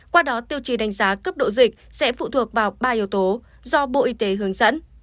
qua đó tiêu chí đánh giá cấp độ dịch sẽ phụ thuộc vào ba yếu tố do bộ y tế hướng dẫn